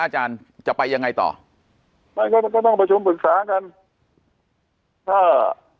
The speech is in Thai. อาจารย์จะไปยังไงต่อไม่ก็ก็ต้องประชุมปรึกษากันถ้า